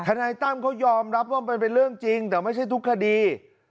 นายตั้มเขายอมรับว่ามันเป็นเรื่องจริงแต่ไม่ใช่ทุกคดี